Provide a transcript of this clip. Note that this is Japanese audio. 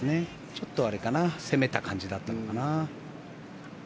ちょっと攻めた感じだったのかな。